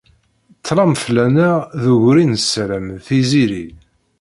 Ṭṭlam fell-aneɣ d ugur i nessaram d tiziri.